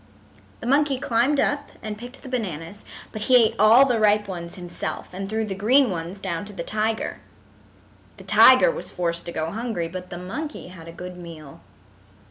The monkey climbed up and picked the bananas but he ate all the ripe ones himself and threw the green ones down to the tiger. The tiger was forced to go hungry but the monkey had a good meal.